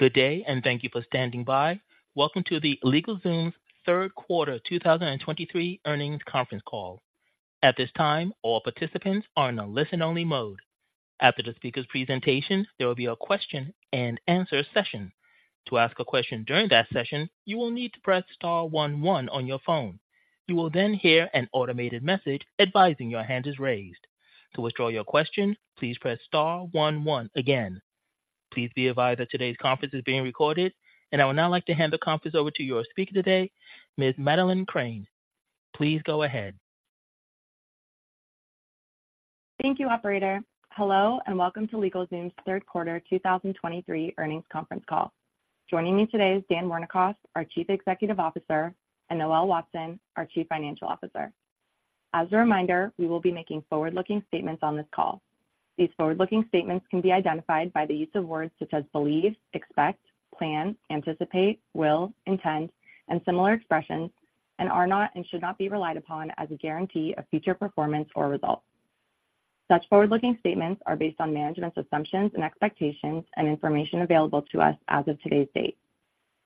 Good day, and thank you for standing by. Welcome to the LegalZoom's third quarter 2023 earnings conference call. At this time, all participants are in a listen-only mode. After the speaker's presentation, there will be a question and answer session. To ask a question during that session, you will need to press star one one on your phone. You will then hear an automated message advising your hand is raised. To withdraw your question, please press star one one again. Please be advised that today's conference is being recorded. I would now like to hand the conference over to your speaker today, Ms. Madeleine Crane. Please go ahead. Thank you, operator. Hello, and welcome to LegalZoom's third quarter 2023 earnings conference call. Joining me today is Dan Wernikoff, our Chief Executive Officer, and Noel Watson, our Chief Financial Officer. As a reminder, we will be making forward-looking statements on this call. These forward-looking statements can be identified by the use of words such as believe, expect, plan, anticipate, will, intend, and similar expressions, and are not and should not be relied upon as a guarantee of future performance or results. Such forward-looking statements are based on management's assumptions and expectations and information available to us as of today's date.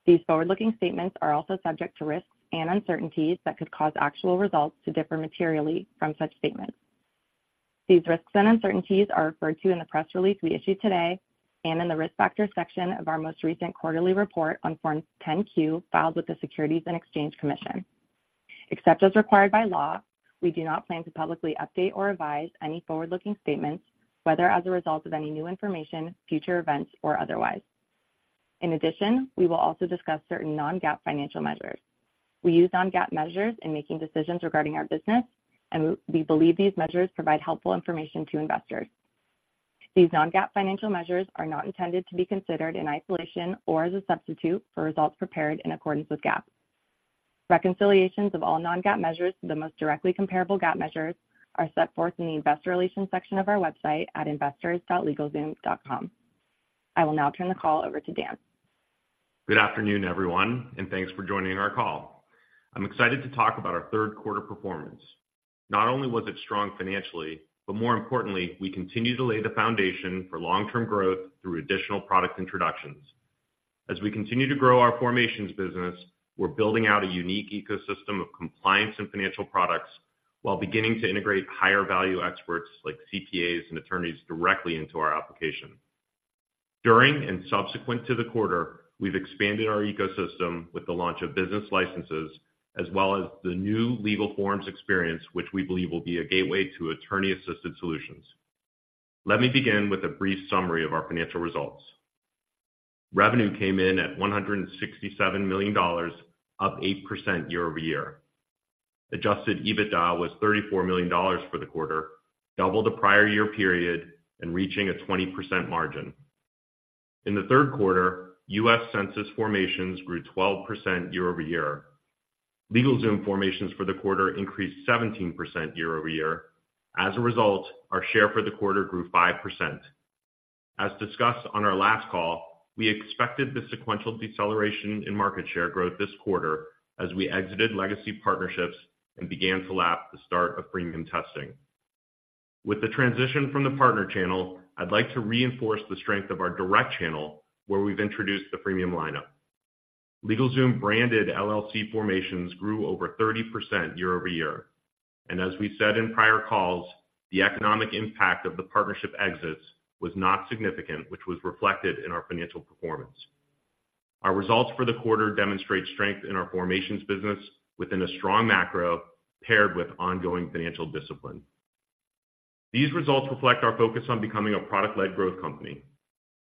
These forward-looking statements are also subject to risks and uncertainties that could cause actual results to differ materially from such statements. These risks and uncertainties are referred to in the press release we issued today and in the Risk Factors section of our most recent quarterly report on Form 10-Q, filed with the Securities and Exchange Commission. Except as required by law, we do not plan to publicly update or revise any forward-looking statements, whether as a result of any new information, future events, or otherwise. In addition, we will also discuss certain non-GAAP financial measures. We use non-GAAP measures in making decisions regarding our business, and we believe these measures provide helpful information to investors. These non-GAAP financial measures are not intended to be considered in isolation or as a substitute for results prepared in accordance with GAAP. Reconciliations of all non-GAAP measures to the most directly comparable GAAP measures are set forth in the Investor Relations section of our website at investors.legalzoom.com. I will now turn the call over to Dan. Good afternoon, everyone, and thanks for joining our call. I'm excited to talk about our third quarter performance. Not only was it strong financially, but more importantly, we continue to lay the foundation for long-term growth through additional product introductions. As we continue to grow our formations business, we're building out a unique ecosystem of compliance and financial products while beginning to integrate higher-value experts, like CPAs and attorneys, directly into our application. During and subsequent to the quarter, we've expanded our ecosystem with the launch of Business Licenses, as well as the new Legal Forms experience, which we believe will be a gateway to attorney-assisted solutions. Let me begin with a brief summary of our financial results. Revenue came in at $167 million, up 8% year-over-year. Adjusted EBITDA was $34 million for the quarter, double the prior year period and reaching a 20% margin. In the third quarter, U.S. Census formations grew 12% year-over-year. LegalZoom formations for the quarter increased 17% year-over-year. As a result, our share for the quarter grew 5%. As discussed on our last call, we expected the sequential deceleration in market share growth this quarter as we exited legacy partnerships and began to lap the start of premium testing. With the transition from the partner channel, I'd like to reinforce the strength of our direct channel, where we've introduced the premium lineup. LegalZoom-branded LLC formations grew over 30% year-over-year, and as we said in prior calls, the economic impact of the partnership exits was not significant, which was reflected in our financial performance. Our results for the quarter demonstrate strength in our formations business within a strong macro, paired with ongoing financial discipline. These results reflect our focus on becoming a product-led growth company.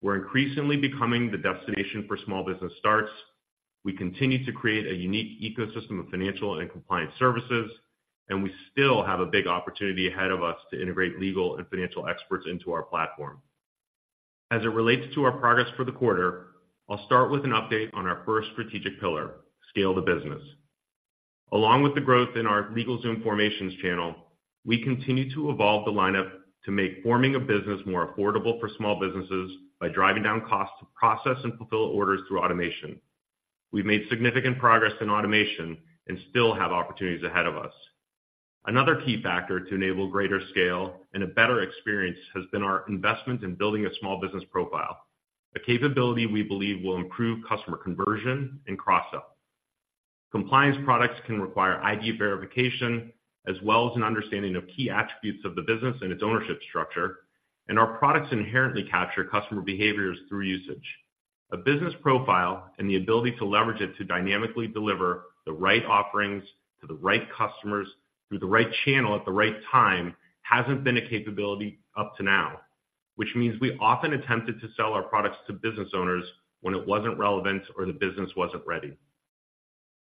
We're increasingly becoming the destination for small business starts. We continue to create a unique ecosystem of financial and compliance services, and we still have a big opportunity ahead of us to integrate legal and financial experts into our platform. As it relates to our progress for the quarter, I'll start with an update on our first strategic pillar, scale the business. Along with the growth in our LegalZoom formations channel, we continue to evolve the lineup to make forming a business more affordable for small businesses by driving down costs to process and fulfill orders through automation. We've made significant progress in automation and still have opportunities ahead of us. Another key factor to enable greater scale and a better experience has been our investment in building a small business profile, a capability we believe will improve customer conversion and cross-sell. Compliance products can require ID verification, as well as an understanding of key attributes of the business and its ownership structure, and our products inherently capture customer behaviors through usage. A business profile and the ability to leverage it to dynamically deliver the right offerings to the right customers through the right channel at the right time hasn't been a capability up to now, which means we often attempted to sell our products to business owners when it wasn't relevant or the business wasn't ready.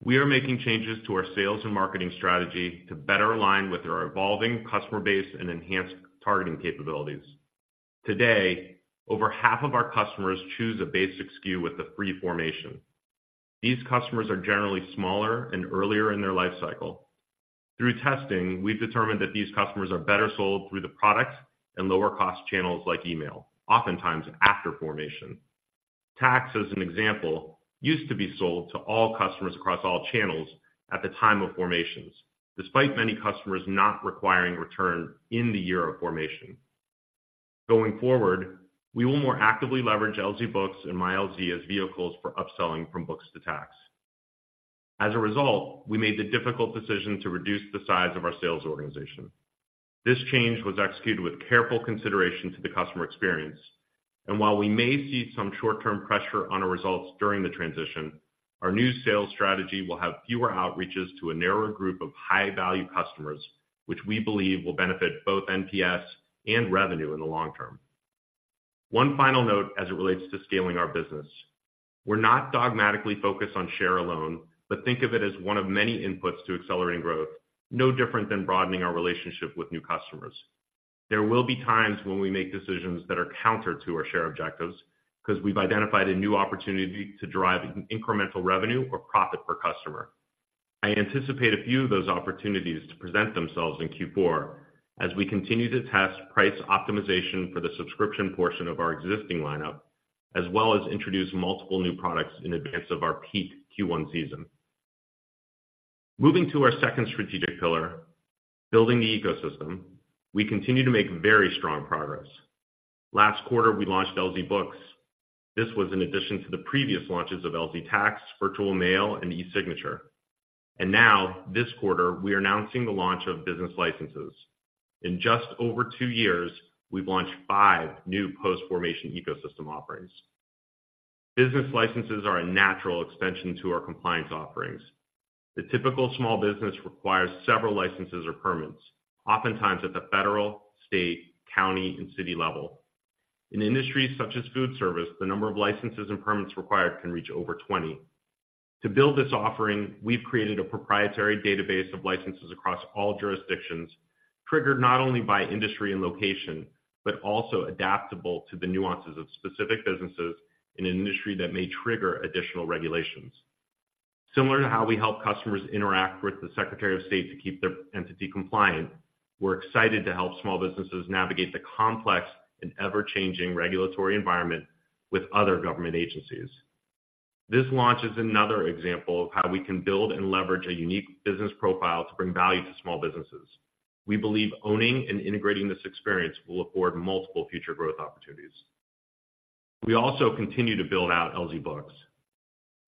We are making changes to our sales and marketing strategy to better align with our evolving customer base and enhanced targeting capabilities. Today, over half of our customers choose a basic SKU with the free formation. These customers are generally smaller and earlier in their life cycle. Through testing, we've determined that these customers are better sold through the product and lower-cost channels like email, oftentimes after formation. Tax, as an example, used to be sold to all customers across all channels at the time of formations, despite many customers not requiring return in the year of formation. Going forward, we will more actively leverage LZ Books and MyLZ as vehicles for upselling from books to tax. As a result, we made the difficult decision to reduce the size of our sales organization. This change was executed with careful consideration to the customer experience, and while we may see some short-term pressure on our results during the transition, our new sales strategy will have fewer outreaches to a narrower group of high-value customers, which we believe will benefit both NPS and revenue in the long term. One final note as it relates to scaling our business, we're not dogmatically focused on share alone, but think of it as one of many inputs to accelerating growth, no different than broadening our relationship with new customers. There will be times when we make decisions that are counter to our share objectives, 'cause we've identified a new opportunity to drive incremental revenue or profit per customer. I anticipate a few of those opportunities to present themselves in Q4 as we continue to test price optimization for the subscription portion of our existing lineup, as well as introduce multiple new products in advance of our peak Q1 season. Moving to our second strategic pillar, building the ecosystem, we continue to make very strong progress. Last quarter, we launched LZ Books. This was in addition to the previous launches of LZ Tax, Virtual Mail, and eSignature. Now, this quarter, we are announcing the launch of Business Licenses. In just over 2 years, we've launched 5 new post-formation ecosystem offerings. Business licenses are a natural extension to our compliance offerings. The typical small business requires several licenses or permits, oftentimes at the federal, state, county, and city level. In industries such as food service, the number of licenses and permits required can reach over 20. To build this offering, we've created a proprietary database of licenses across all jurisdictions, triggered not only by industry and location, but also adaptable to the nuances of specific businesses in an industry that may trigger additional regulations. Similar to how we help customers interact with the Secretary of State to keep their entity compliant, we're excited to help small businesses navigate the complex and ever-changing regulatory environment with other government agencies. This launch is another example of how we can build and leverage a unique business profile to bring value to small businesses. We believe owning and integrating this experience will afford multiple future growth opportunities. We also continue to build out LZ Books.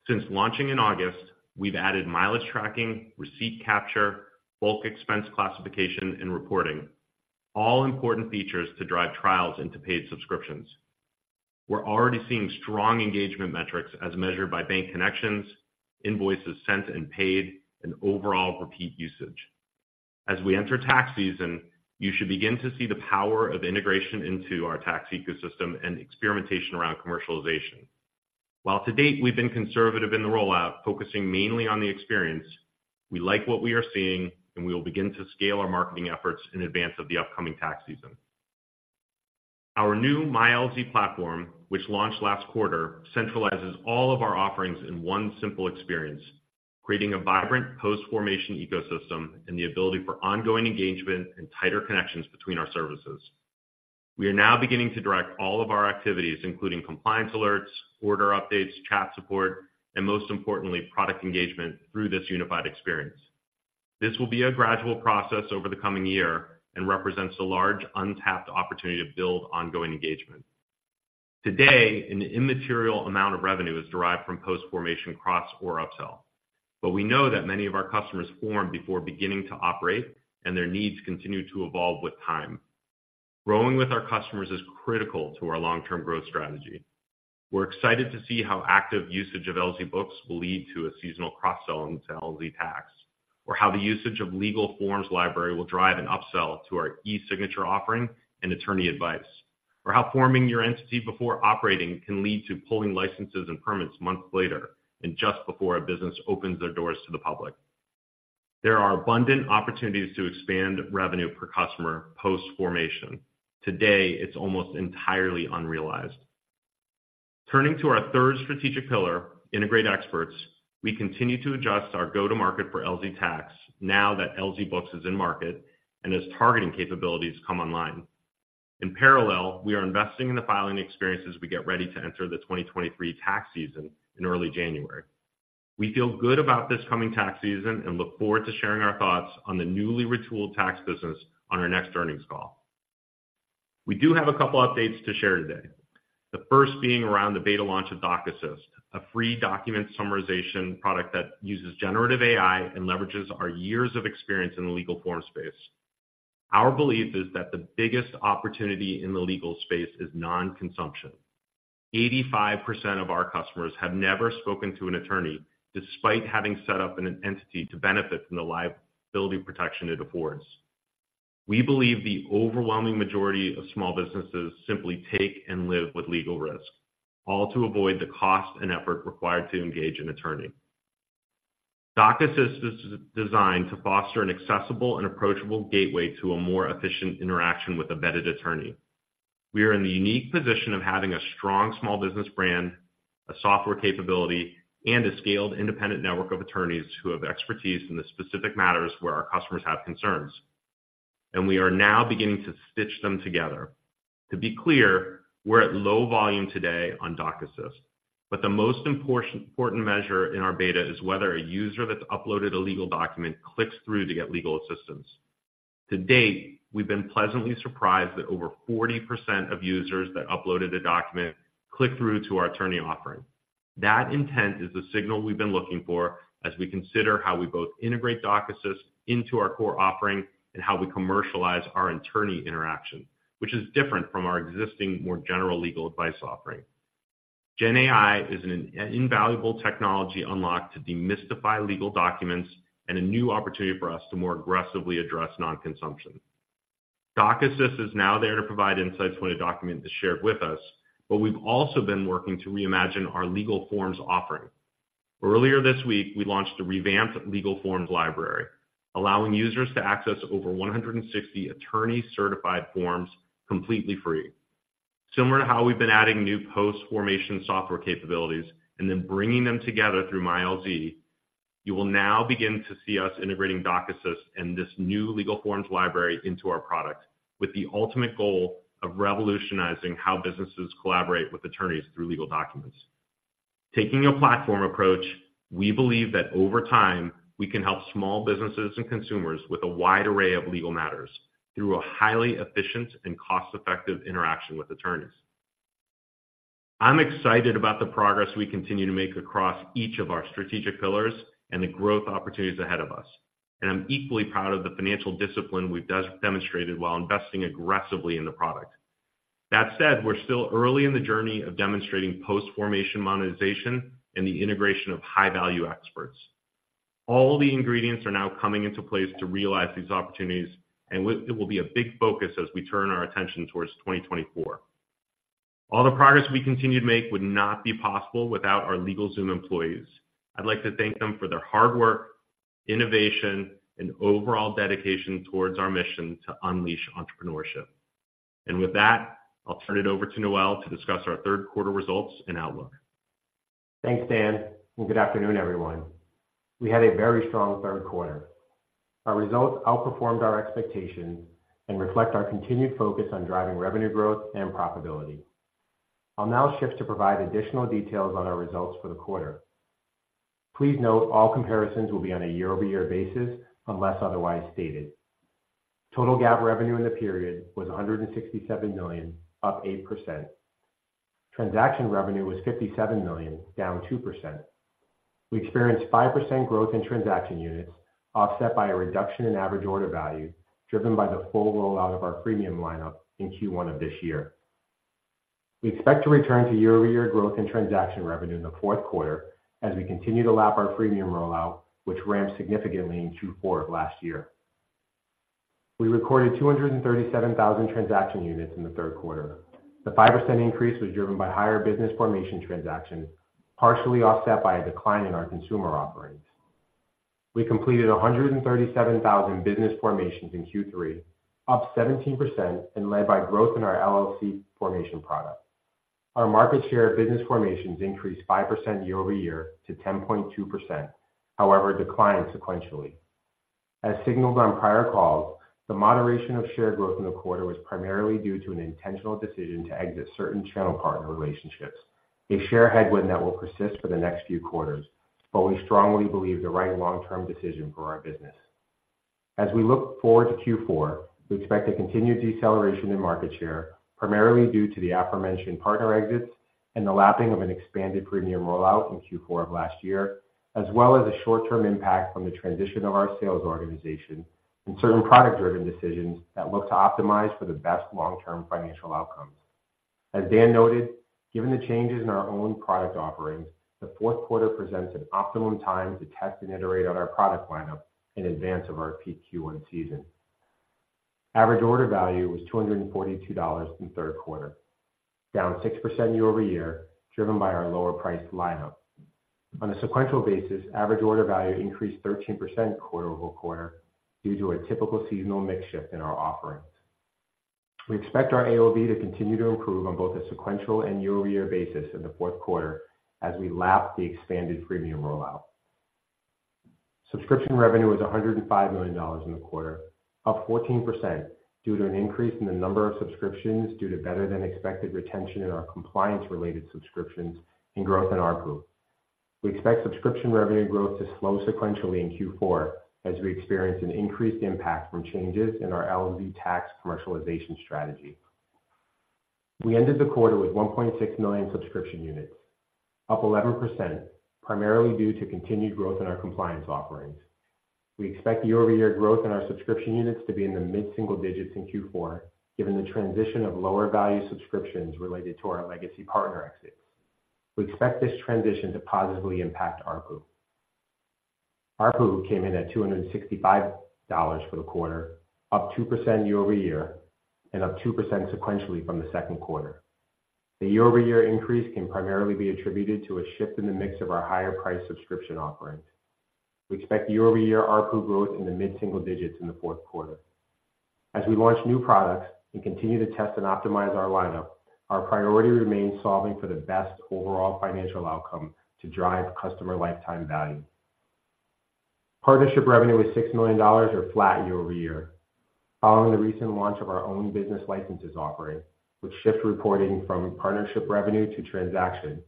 Since launching in August, we've added mileage tracking, receipt capture, bulk expense classification, and reporting, all important features to drive trials into paid subscriptions. We're already seeing strong engagement metrics as measured by bank connections, invoices sent and paid, and overall repeat usage. As we enter tax season, you should begin to see the power of integration into our tax ecosystem and experimentation around commercialization. While to date, we've been conservative in the rollout, focusing mainly on the experience, we like what we are seeing, and we will begin to scale our marketing efforts in advance of the upcoming tax season. Our new MyLZ platform, which launched last quarter, centralizes all of our offerings in one simple experience, creating a vibrant post-formation ecosystem and the ability for ongoing engagement and tighter connections between our services. We are now beginning to direct all of our activities, including compliance alerts, order updates, chat support, and most importantly, product engagement, through this unified experience. This will be a gradual process over the coming year and represents a large, untapped opportunity to build ongoing engagement. Today, an immaterial amount of revenue is derived from post-formation cross or upsell, but we know that many of our customers form before beginning to operate, and their needs continue to evolve with time. Growing with our customers is critical to our long-term growth strategy. We're excited to see how active usage of LZ Books will lead to a seasonal cross-sell into LZ Tax, or how the usage of Legal Forms library will drive an upsell to our eSignature offering and attorney advice, or how forming your entity before operating can lead to pulling licenses and permits months later and just before a business opens their doors to the public. There are abundant opportunities to expand revenue per customer post-formation. Today, it's almost entirely unrealized. Turning to our third strategic pillar, integrate experts, we continue to adjust our go-to-market for LZ Tax now that LZ Books is in market and as targeting capabilities come online. In parallel, we are investing in the filing experience as we get ready to enter the 2023 tax season in early January. We feel good about this coming tax season and look forward to sharing our thoughts on the newly retooled tax business on our next earnings call. We do have a couple updates to share today. The first being around the beta launch of DocAssist, a free document summarization product that uses generative AI and leverages our years of experience in Legal Forms space. Our belief is that the biggest opportunity in the legal space is non-consumption. 85% of our customers have never spoken to an attorney, despite having set up an entity to benefit from the liability protection it affords. We believe the overwhelming majority of small businesses simply take and live with legal risk, all to avoid the cost and effort required to engage an attorney. DocAssist is designed to foster an accessible and approachable gateway to a more efficient interaction with a vetted attorney. We are in the unique position of having a strong small business brand, a software capability, and a scaled independent network of attorneys who have expertise in the specific matters where our customers have concerns, and we are now beginning to stitch them together. To be clear, we're at low volume today on DocAssist, but the most important, important measure in our beta is whether a user that's uploaded a legal document clicks through to get legal assistance. To date, we've been pleasantly surprised that over 40% of users that uploaded a document click through to our attorney offering. That intent is the signal we've been looking for as we consider how we both integrate DocAssist into our core offering and how we commercialize our attorney interaction, which is different from our existing, more general legal advice offering. Gen AI is an invaluable technology unlocked to demystify legal documents and a new opportunity for us to more aggressively address non-consumption. DocAssist is now there to provide insights when a document is shared with us, but we've also been working to reimagine our Legal Forms offering. Earlier this week, we launched a revamped Legal Forms library, allowing users to access over 160 attorney-certified forms completely free. Similar to how we've been adding new post-formation software capabilities and then bringing them together through MyLZ, you will now begin to see us integrating DocAssist and this new Legal Forms library into our product, with the ultimate goal of revolutionizing how businesses collaborate with attorneys through legal documents. Taking a platform approach, we believe that over time, we can help small businesses and consumers with a wide array of legal matters through a highly efficient and cost-effective interaction with attorneys. I'm excited about the progress we continue to make across each of our strategic pillars and the growth opportunities ahead of us, and I'm equally proud of the financial discipline we've demonstrated while investing aggressively in the product. That said, we're still early in the journey of demonstrating post-formation monetization and the integration of high-value experts. All the ingredients are now coming into place to realize these opportunities, and it will be a big focus as we turn our attention towards 2024. All the progress we continue to make would not be possible without our LegalZoom employees. I'd like to thank them for their hard work, innovation, and overall dedication towards our mission to unleash entrepreneurship. And with that, I'll turn it over to Noel to discuss our third quarter results and outlook. Thanks, Dan, and good afternoon, everyone. We had a very strong third quarter. Our results outperformed our expectations and reflect our continued focus on driving revenue growth and profitability. I'll now shift to provide additional details on our results for the quarter. Please note, all comparisons will be on a year-over-year basis, unless otherwise stated. Total GAAP revenue in the period was $167 million, up 8%. Transaction revenue was $57 million, down 2%. We experienced 5% growth in transaction units, offset by a reduction in average order value, driven by the full rollout of our premium lineup in Q1 of this year. We expect to return to year-over-year growth in transaction revenue in the fourth quarter as we continue to lap our premium rollout, which ramped significantly in Q4 of last year. We recorded 237,000 transaction units in the third quarter. The 5% increase was driven by higher business formation transactions, partially offset by a decline in our consumer offerings. We completed 137,000 business formations in Q3, up 17% and led by growth in our LLC formation product. Our market share of business formations increased 5% year-over-year to 10.2%, however, it declined sequentially. As signaled on prior calls, the moderation of share growth in the quarter was primarily due to an intentional decision to exit certain channel partner relationships, a share headwind that will persist for the next few quarters, but we strongly believe the right long-term decision for our business. As we look forward to Q4, we expect a continued deceleration in market share, primarily due to the aforementioned partner exits and the lapping of an expanded premium rollout in Q4 of last year, as well as a short-term impact from the transition of our sales organization and certain product-driven decisions that look to optimize for the best long-term financial outcomes. As Dan noted, given the changes in our own product offerings, the fourth quarter presents an optimum time to test and iterate on our product lineup in advance of our peak Q1 season. Average order value was $242 in the third quarter, down 6% year-over-year, driven by our lower-priced lineup. On a sequential basis, average order value increased 13% quarter-over-quarter due to a typical seasonal mix shift in our offerings. We expect our AOV to continue to improve on both a sequential and year-over-year basis in the fourth quarter as we lap the expanded premium rollout. Subscription revenue was $105 million in the quarter, up 14%, due to an increase in the number of subscriptions due to better-than-expected retention in our compliance-related subscriptions and growth in ARPU. We expect subscription revenue growth to slow sequentially in Q4 as we experience an increased impact from changes in our LZ Tax commercialization strategy. We ended the quarter with 1.6 million subscription units, up 11%, primarily due to continued growth in our compliance offerings. We expect year-over-year growth in our subscription units to be in the mid-single digits in Q4, given the transition of lower-value subscriptions related to our legacy partner exits. We expect this transition to positively impact ARPU. ARPU came in at $265 for the quarter, up 2% year-over-year and up 2% sequentially from the second quarter. The year-over-year increase can primarily be attributed to a shift in the mix of our higher-priced subscription offerings. We expect year-over-year ARPU growth in the mid-single digits in the fourth quarter. As we launch new products and continue to test and optimize our lineup, our priority remains solving for the best overall financial outcome to drive customer lifetime value. Partnership revenue was $6 million, or flat year-over-year. Following the recent launch of our own Business Licenses offering, which shifts reporting from partnership revenue to transaction,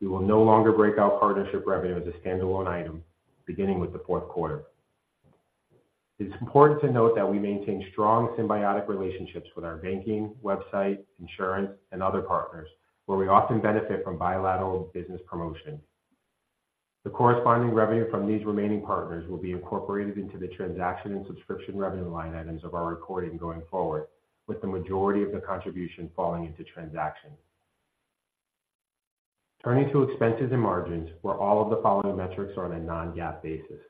we will no longer break out partnership revenue as a standalone item beginning with the fourth quarter. It's important to note that we maintain strong symbiotic relationships with our banking, website, insurance, and other partners, where we often benefit from bilateral business promotion. The corresponding revenue from these remaining partners will be incorporated into the transaction and subscription revenue line items of our reporting going forward, with the majority of the contribution falling into transaction. Turning to expenses and margins, where all of the following metrics are on a non-GAAP basis.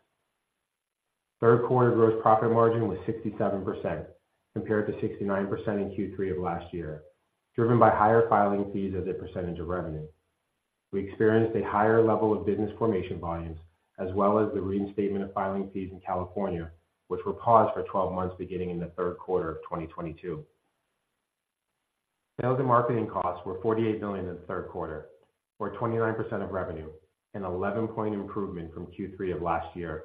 Third quarter gross profit margin was 67%, compared to 69% in Q3 of last year, driven by higher filing fees as a percentage of revenue. We experienced a higher level of business formation volumes, as well as the reinstatement of filing fees in California, which were paused for 12 months beginning in the third quarter of 2022. Sales and marketing costs were $48 million in the third quarter, or 29% of revenue, an 11-point improvement from Q3 of last year.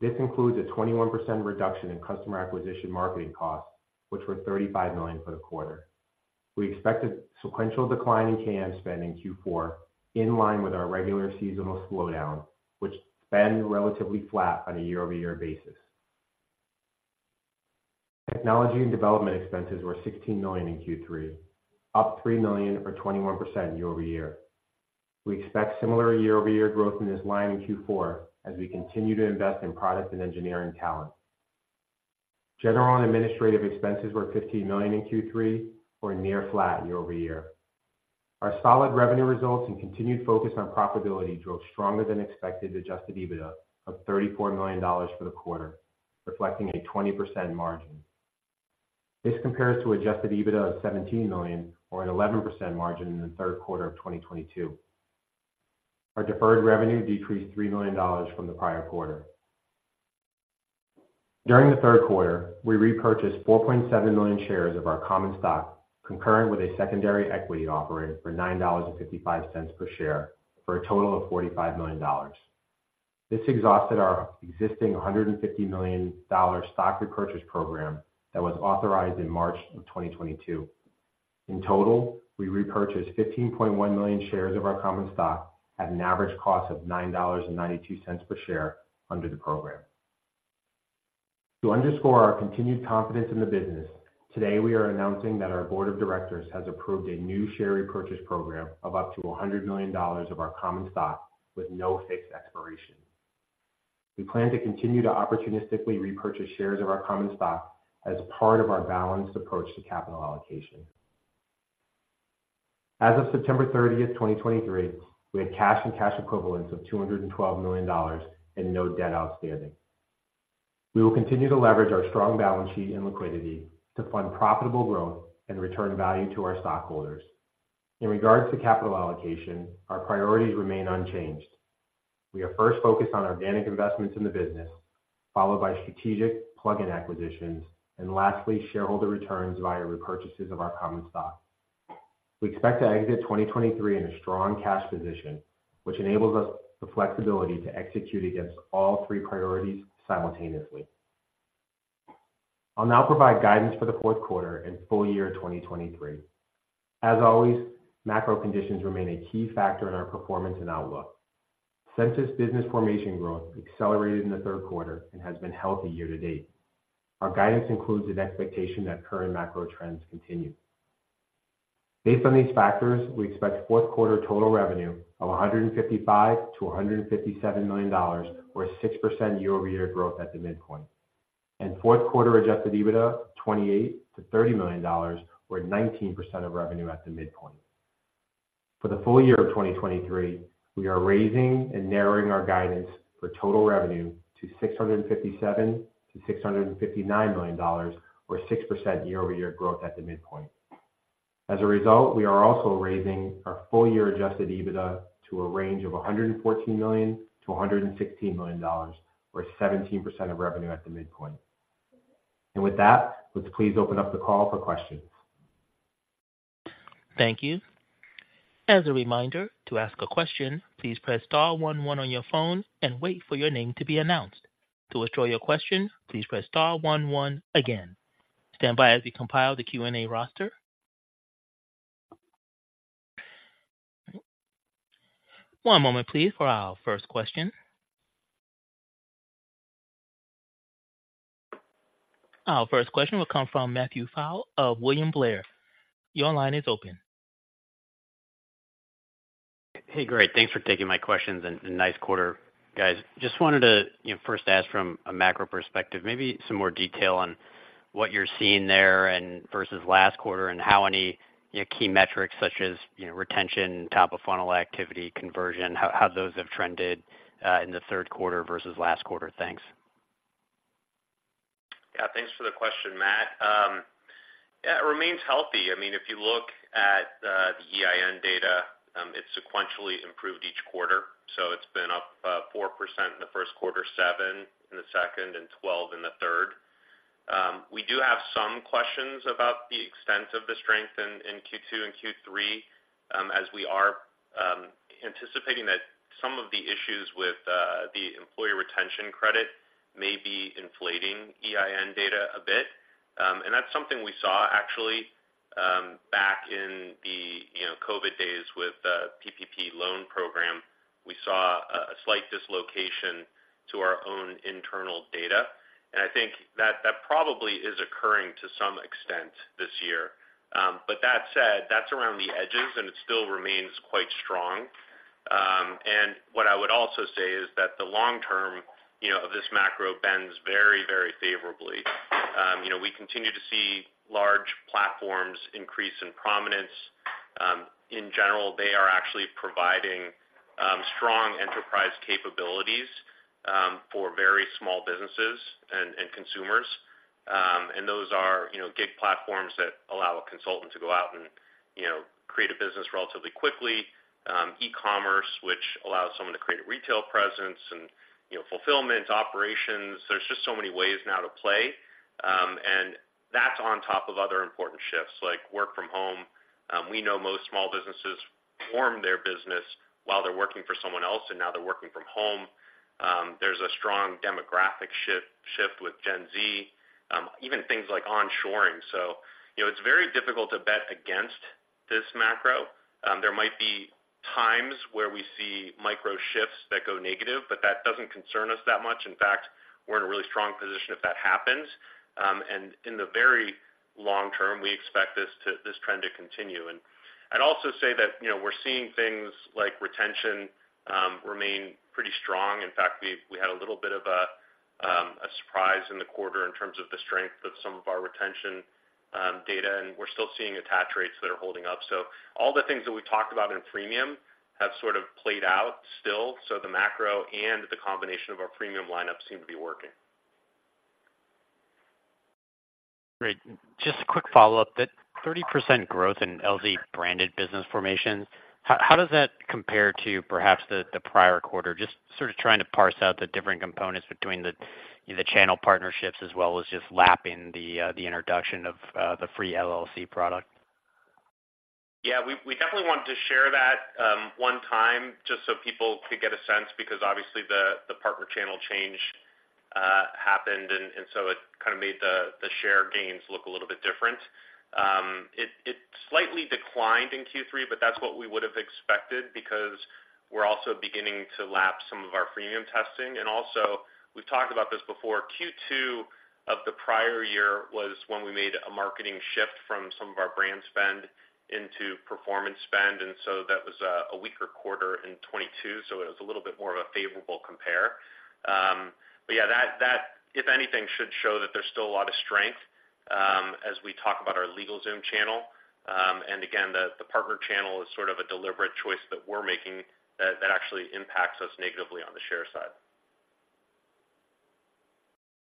This includes a 21% reduction in customer acquisition marketing costs, which were $35 million for the quarter. We expect a sequential decline in CAM spend in Q4, in line with our regular seasonal slowdown, which spend relatively flat on a year-over-year basis. Technology and development expenses were $16 million in Q3, up $3 million, or 21% year-over-year. We expect similar year-over-year growth in this line in Q4 as we continue to invest in product and engineering talent. General and administrative expenses were $15 million in Q3, or near flat year-over-year. Our solid revenue results and continued focus on profitability drove stronger than expected Adjusted EBITDA of $34 million for the quarter, reflecting a 20% margin. This compares to Adjusted EBITDA of $17 million, or an 11% margin in the third quarter of 2022. Our deferred revenue decreased $3 million from the prior quarter. During the third quarter, we repurchased 4.7 million shares of our common stock, concurrent with a secondary equity offering for $9.55 per share, for a total of $45 million. This exhausted our existing $150 million stock repurchase program that was authorized in March of 2022. In total, we repurchased 15.1 million shares of our common stock at an average cost of $9.92 per share under the program. To underscore our continued confidence in the business, today, we are announcing that our board of directors has approved a new share repurchase program of up to $100 million of our common stock with no fixed expiration. We plan to continue to opportunistically repurchase shares of our common stock as part of our balanced approach to capital allocation. As of September 30, 2023, we had cash and cash equivalents of $212 million and no debt outstanding. We will continue to leverage our strong balance sheet and liquidity to fund profitable growth and return value to our stockholders. In regards to capital allocation, our priorities remain unchanged. We are first focused on organic investments in the business, followed by strategic plugin acquisitions, and lastly, shareholder returns via repurchases of our common stock. We expect to exit 2023 in a strong cash position, which enables us the flexibility to execute against all three priorities simultaneously. I'll now provide guidance for the fourth quarter and full year 2023. As always, macro conditions remain a key factor in our performance and outlook. Census business formation growth accelerated in the third quarter and has been healthy year to date. Our guidance includes an expectation that current macro trends continue. Based on these factors, we expect fourth quarter total revenue of $155 million-$157 million, or a 6% year-over-year growth at the midpoint, and fourth quarter Adjusted EBITDA, $28 million-$30 million, or 19% of revenue at the midpoint. For the full year of 2023, we are raising and narrowing our guidance for total revenue to $657 million-$659 million, or 6% year-over-year growth at the midpoint. As a result, we are also raising our full year Adjusted EBITDA to a range of $114 million-$116 million, or 17% of revenue at the midpoint. And with that, let's please open up the call for questions. Thank you. As a reminder, to ask a question, please press star one one on your phone and wait for your name to be announced. To withdraw your question, please press star one one again. Stand by as we compile the Q&A roster. One moment, please, for our first question. Our first question will come from Matthew Pfau of William Blair. Your line is open. Hey, great. Thanks for taking my questions, and nice quarter, guys. Just wanted to, you know, first ask from a macro perspective, maybe some more detail on what you're seeing there and versus last quarter, and how any, you know, key metrics such as, you know, retention, top of funnel activity, conversion, how those have trended in the third quarter versus last quarter. Thanks. Yeah, thanks for the question, Matt. Yeah, it remains healthy. I mean, if you look at the EIN data, it sequentially improved each quarter. So it's been up 4% in the first quarter, 7% in the second, and 12% in the third. ... We do have some questions about the extent of the strength in Q2 and Q3, as we are anticipating that some of the issues with the Employee Retention Credit may be inflating EIN data a bit. And that's something we saw actually back in the, you know, COVID days with the PPP loan program. We saw a slight dislocation to our own internal data, and I think that that probably is occurring to some extent this year. But that said, that's around the edges, and it still remains quite strong. And what I would also say is that the long term, you know, of this macro bends very, very favorably. You know, we continue to see large platforms increase in prominence. In general, they are actually providing strong enterprise capabilities for very small businesses and consumers. And those are, you know, gig platforms that allow a consultant to go out and, you know, create a business relatively quickly, e-commerce, which allows someone to create a retail presence and, you know, fulfillment operations. There's just so many ways now to play, and that's on top of other important shifts, like work from home. We know most small businesses form their business while they're working for someone else, and now they're working from home. There's a strong demographic shift with Gen Z, even things like onshoring. So, you know, it's very difficult to bet against this macro. There might be times where we see micro shifts that go negative, but that doesn't concern us that much. In fact, we're in a really strong position if that happens. And in the very long term, we expect this trend to continue. And I'd also say that, you know, we're seeing things like retention remain pretty strong. In fact, we had a little bit of a surprise in the quarter in terms of the strength of some of our retention data, and we're still seeing attach rates that are holding up. So all the things that we talked about in premium have sort of played out still. So the macro and the combination of our premium lineup seem to be working. Great. Just a quick follow-up. That 30% growth in LZ branded business formations, how does that compare to perhaps the prior quarter? Just sort of trying to parse out the different components between the channel partnerships as well as just lapping the introduction of the free LLC product. Yeah, we definitely wanted to share that one time just so people could get a sense, because obviously the partner channel change happened, and so it kind of made the share gains look a little bit different. It slightly declined in Q3, but that's what we would have expected, because we're also beginning to lap some of our premium testing. And also, we've talked about this before, Q2 of the prior year was when we made a marketing shift from some of our brand spend into performance spend, and so that was a weaker quarter in 2022, so it was a little bit more of a favorable compare. But yeah, that if anything, should show that there's still a lot of strength, as we talk about our LegalZoom channel. And again, the partner channel is sort of a deliberate choice that we're making, that actually impacts us negatively on the share side.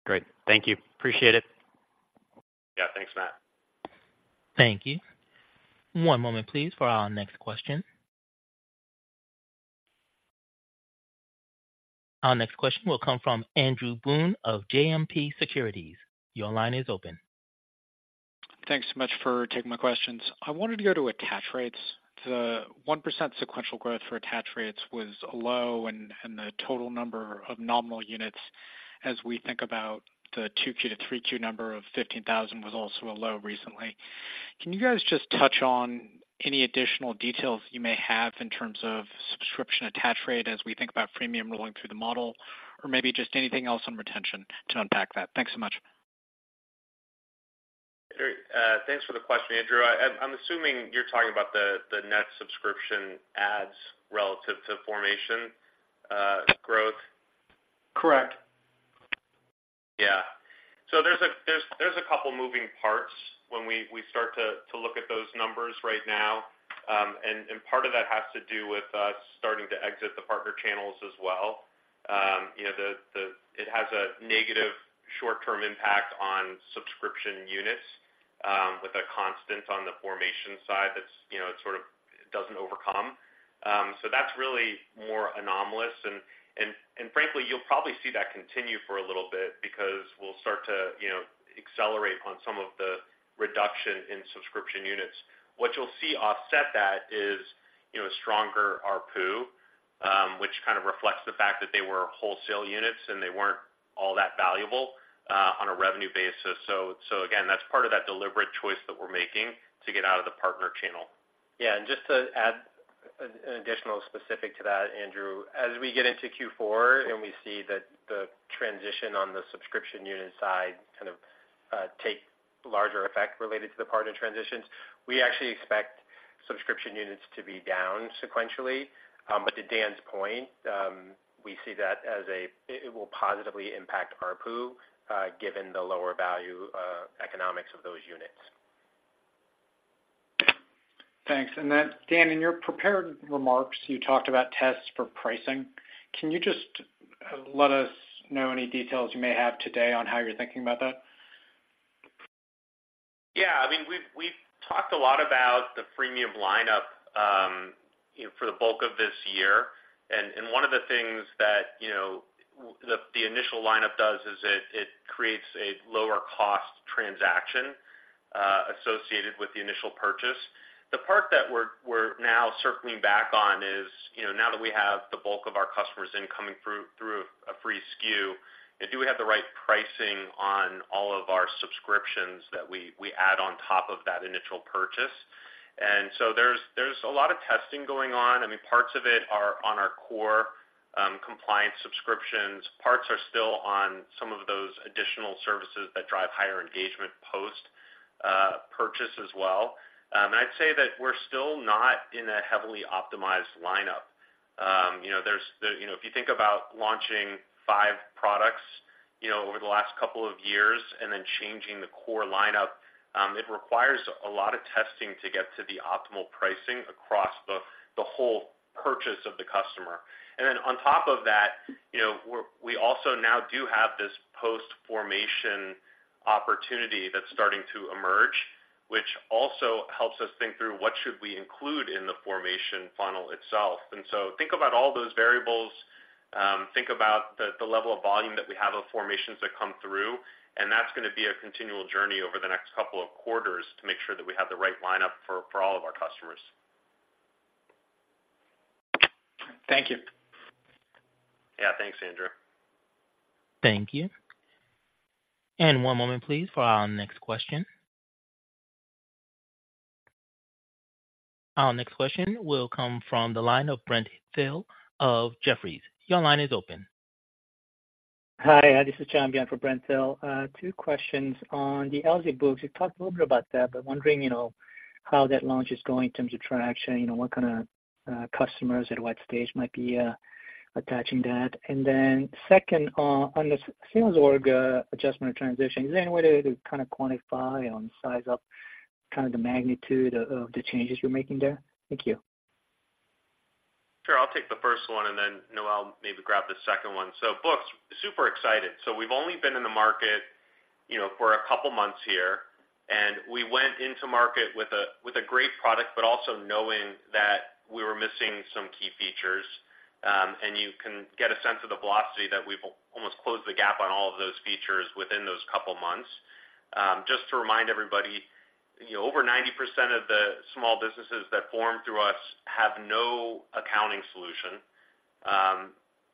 Great. Thank you. Appreciate it. Yeah. Thanks, Matt. Thank you. One moment, please, for our next question. Our next question will come from Andrew Boone of JMP Securities. Your line is open. Thanks so much for taking my questions. I wanted to go to attach rates. The 1% sequential growth for attach rates was a low and the total number of nominal units as we think about the 2Q to 3Q number of 15,000 was also a low recently. Can you guys just touch on any additional details you may have in terms of subscription attach rate as we think about premium rolling through the model, or maybe just anything else on retention to unpack that? Thanks so much. Thanks for the question, Andrew. I'm assuming you're talking about the net subscription adds relative to formation growth? Correct. Yeah. So there's a couple moving parts when we start to look at those numbers right now. And part of that has to do with us starting to exit the partner channels as well. You know, it has a negative short-term impact on subscription units, with a constant on the formation side that's, you know, it sort of doesn't overcome. So that's really more anomalous. And frankly, you'll probably see that continue for a little bit because we'll start to, you know, accelerate on some of the reduction in subscription units. What you'll see offset that is, you know, stronger ARPU, which kind of reflects the fact that they were wholesale units and they weren't all that valuable on a revenue basis. So again, that's part of that deliberate choice that we're making to get out of the partner channel. Yeah, and just to add an additional specific to that, Andrew, as we get into Q4 and we see that the transition on the subscription unit side kind of take larger effect related to the partner transitions, we actually expect subscription units to be down sequentially. But to Dan's point, we see that as it will positively impact ARPU, given the lower value economics of those units. Thanks. And then, Dan, in your prepared remarks, you talked about tests for pricing. Can you just let us know any details you may have today on how you're thinking about that?... Yeah, I mean, we've talked a lot about the freemium lineup, you know, for the bulk of this year. And one of the things that, you know, the initial lineup does is it creates a lower cost transaction associated with the initial purchase. The part that we're now circling back on is, you know, now that we have the bulk of our customers coming through a free SKU, do we have the right pricing on all of our subscriptions that we add on top of that initial purchase? And so there's a lot of testing going on. I mean, parts of it are on our core compliance subscriptions. Parts are still on some of those additional services that drive higher engagement post purchase as well. And I'd say that we're still not in a heavily optimized lineup. You know, there's the... You know, if you think about launching five products, you know, over the last couple of years and then changing the core lineup, it requires a lot of testing to get to the optimal pricing across the, the whole purchase of the customer. And then on top of that, you know, we're -- we also now do have this post-formation opportunity that's starting to emerge, which also helps us think through what should we include in the formation funnel itself. And so think about all those variables, think about the, the level of volume that we have of formations that come through, and that's gonna be a continual journey over the next couple of quarters to make sure that we have the right lineup for, for all of our customers. Thank you. Yeah. Thanks, Andrew. Thank you. One moment, please, for our next question. Our next question will come from the line of Brent Thill of Jefferies. Your line is open. Hi, this is John Colantuoni on for Brent Thill. Two questions on the LZ Books. You talked a little bit about that, but wondering, you know, how that launch is going in terms of traction, you know, what kind of customers at what stage might be attaching that? And then second, on the sales org adjustment transition, is there any way to kind of quantify on the size of kind of the magnitude of the changes you're making there? Thank you. Sure. I'll take the first one, and then Noel, maybe grab the second one. So Books, super excited. So we've only been in the market, you know, for a couple months here, and we went into market with a great product, but also knowing that we were missing some key features. And you can get a sense of the velocity that we've almost closed the gap on all of those features within those couple months. Just to remind everybody, you know, over 90% of the small businesses that form through us have no accounting solution.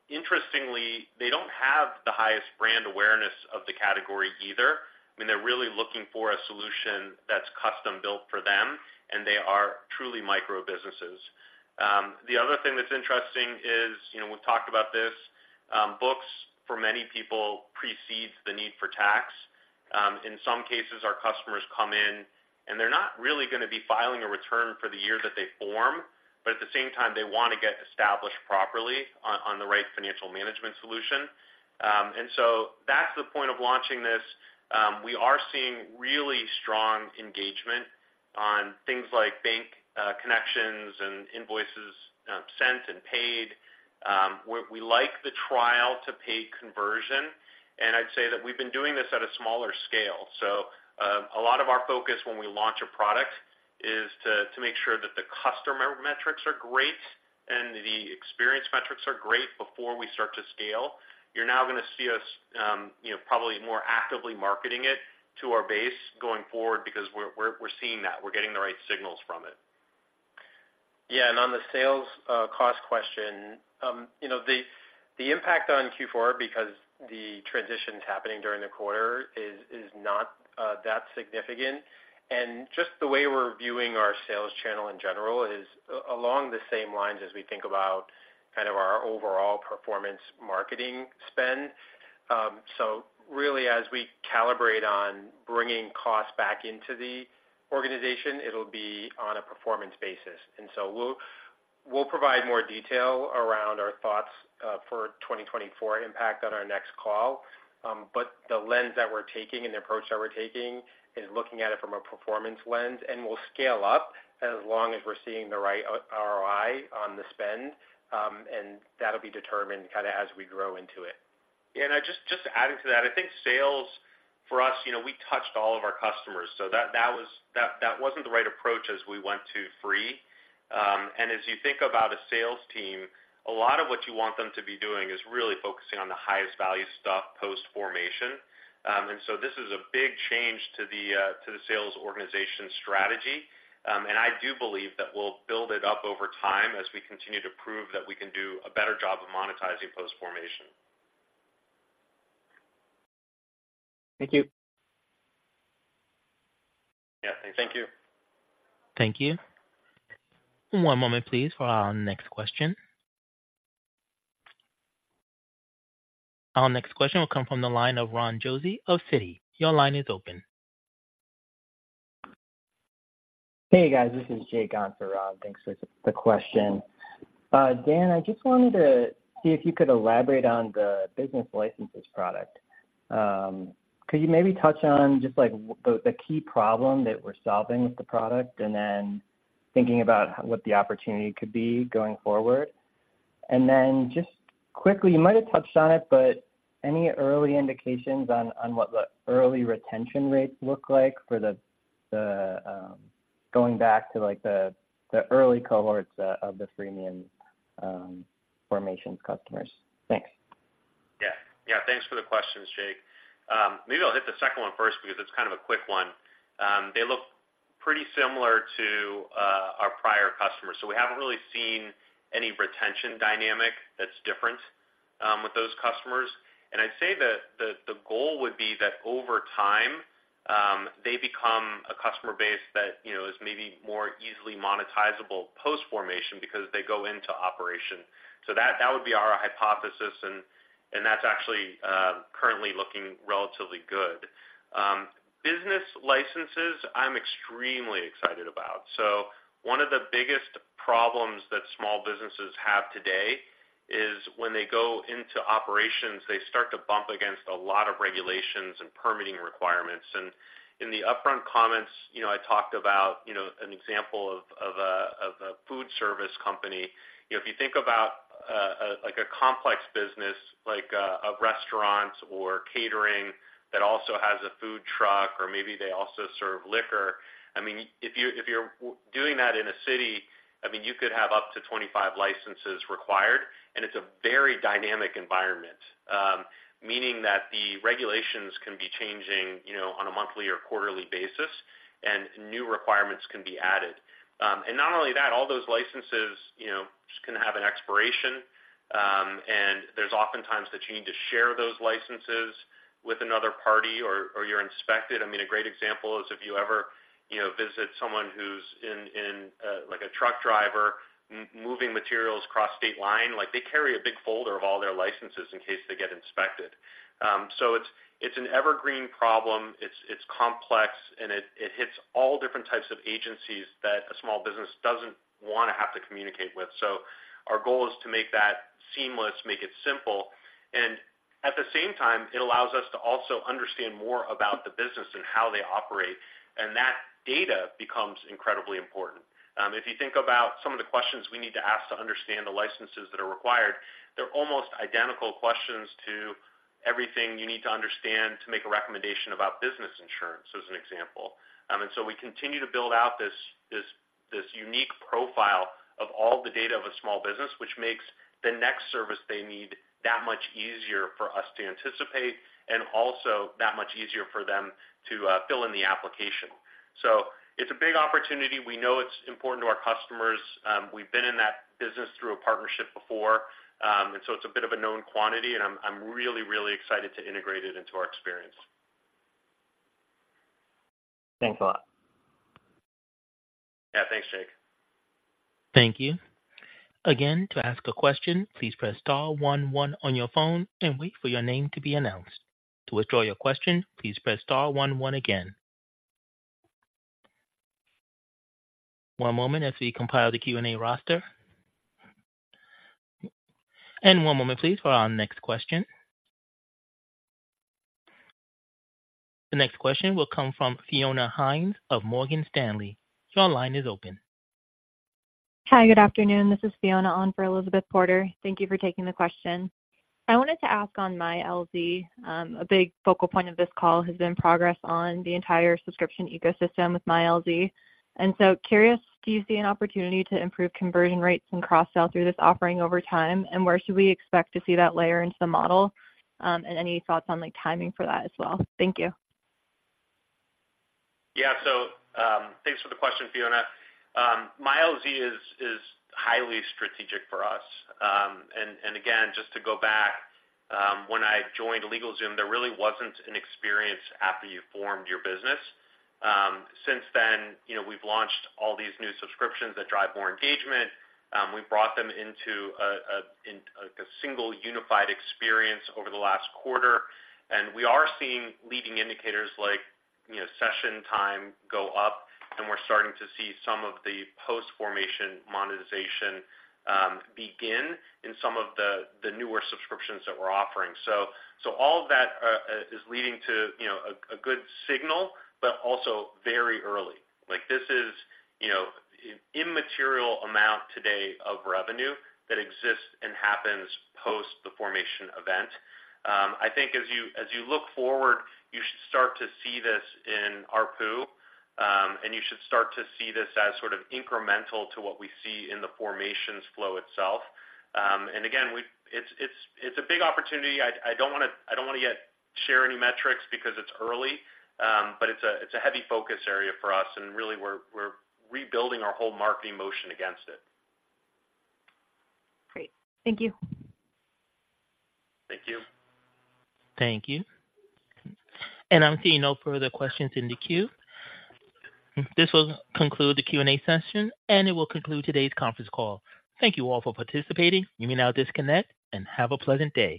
Interestingly, they don't have the highest brand awareness of the category either. I mean, they're really looking for a solution that's custom-built for them, and they are truly micro businesses. The other thing that's interesting is, you know, we've talked about this, Books, for many people, precedes the need for tax. In some cases, our customers come in, and they're not really gonna be filing a return for the year that they form, but at the same time, they want to get established properly on the right financial management solution. And so that's the point of launching this. We are seeing really strong engagement on things like bank connections and invoices sent and paid. We like the trial to pay conversion, and I'd say that we've been doing this at a smaller scale. So a lot of our focus when we launch a product is to make sure that the customer metrics are great and the experience metrics are great before we start to scale. You're now gonna see us, you know, probably more actively marketing it to our base going forward because we're seeing that. We're getting the right signals from it. Yeah, on the sales cost question, you know, the impact on Q4 because the transition's happening during the quarter is not that significant. Just the way we're viewing our sales channel in general is along the same lines as we think about kind of our overall performance marketing spend. So really, as we calibrate on bringing costs back into the organization, it'll be on a performance basis. So we'll provide more detail around our thoughts for 2024 impact on our next call. But the lens that we're taking and the approach that we're taking is looking at it from a performance lens, and we'll scale up as long as we're seeing the right ROI on the spend, and that'll be determined kinda as we grow into it. Yeah, and I just adding to that, I think sales for us, you know, we touched all of our customers, so that wasn't the right approach as we went to free. And as you think about a sales team, a lot of what you want them to be doing is really focusing on the highest value stuff post-formation. And so this is a big change to the sales organization strategy. And I do believe that we'll build it up over time as we continue to prove that we can do a better job of monetizing post-formation. Thank you. Yeah, thank you. Thank you. Thank you. One moment, please, for our next question. Our next question will come from the line of Ron Josey of Citi. Your line is open. Hey, guys, this is Jake Hallac. Thanks for the question. Dan, I just wanted to see if you could elaborate on the Business Licenses product. Could you maybe touch on just, like, the key problem that we're solving with the product and then thinking about what the opportunity could be going forward? And then just quickly, you might have touched on it, but any early indications on what the early retention rates look like for the going back to, like, the early cohorts of the freemium formations customers? Thanks. Yeah. Yeah, thanks for the questions, Jake. Maybe I'll hit the second one first because it's kind of a quick one. They look pretty similar to our prior customers, so we haven't really seen any retention dynamic that's different with those customers. And I'd say that the goal would be that over time they become a customer base that, you know, is maybe more easily monetizable post-formation because they go into operation. So that would be our hypothesis, and that's actually currently looking relatively good. Business licenses, I'm extremely excited about. So one of the biggest problems that small businesses have today is when they go into operations, they start to bump against a lot of regulations and permitting requirements. In the upfront comments, you know, I talked about, you know, an example of, of a, of a food service company. If you think about, a, like a, a restaurant or catering, that also has a food truck, or maybe they also serve liquor. I mean, if you, if you're doing that in a city, I mean, you could have up to 25 licenses required, and it's a very dynamic environment, meaning that the regulations can be changing, you know, on a monthly or quarterly basis, and new requirements can be added. And not only that, all those licenses, you know, just gonna have an expiration, and there's oftentimes that you need to share those licenses with another party or, or you're inspected. I mean, a great example is if you ever, you know, visit someone who's in like a truck driver moving materials cross state line, like, they carry a big folder of all their licenses in case they get inspected. So it's an evergreen problem, it's complex, and it hits all different types of agencies that a small business doesn't want to have to communicate with. So our goal is to make that seamless, make it simple, and at the same time, it allows us to also understand more about the business and how they operate, and that data becomes incredibly important. If you think about some of the questions we need to ask to understand the licenses that are required, they're almost identical questions to everything you need to understand to make a recommendation about business insurance, as an example. And so we continue to build out this unique profile of all the data of a small business, which makes the next service they need that much easier for us to anticipate and also that much easier for them to fill in the application. It's a big opportunity. We know it's important to our customers. We've been in that business through a partnership before, and so it's a bit of a known quantity, and I'm really, really excited to integrate it into our experience. Thanks a lot. Yeah. Thanks, Jake. Thank you. Again, to ask a question, please press star one, one on your phone and wait for your name to be announced. To withdraw your question, please press star one, one again. One moment as we compile the Q&A roster. One moment, please, for our next question. The next question will come from Fiona Hrncir of Morgan Stanley. Your line is open. Hi, good afternoon. This is Fiona on for Elizabeth Porter. Thank you for taking the question. I wanted to ask on MyLZ. A big focal point of this call has been progress on the entire subscription ecosystem with MyLZ. And so curious, do you see an opportunity to improve conversion rates and cross-sell through this offering over time? And where should we expect to see that layer into the model? And any thoughts on, like, timing for that as well? Thank you. Yeah. So, thanks for the question, Fiona. MyLZ is highly strategic for us. And again, just to go back, when I joined LegalZoom, there really wasn't an experience after you formed your business. Since then, you know, we've launched all these new subscriptions that drive more engagement. We've brought them into a single unified experience over the last quarter, and we are seeing leading indicators like, you know, session time go up, and we're starting to see some of the post-formation monetization begin in some of the newer subscriptions that we're offering. So all of that is leading to, you know, a good signal, but also very early. Like this is, you know, immaterial amount today of revenue that exists and happens post the formation event. I think as you look forward, you should start to see this in ARPU, and you should start to see this as sort of incremental to what we see in the formations flow itself. And again, it's a big opportunity. I don't wanna yet share any metrics because it's early, but it's a heavy focus area for us, and really, we're rebuilding our whole marketing motion against it. Great. Thank you. Thank you. Thank you. I'm seeing no further questions in the queue. This will conclude the Q&A session, and it will conclude today's conference call. Thank you all for participating. You may now disconnect and have a pleasant day.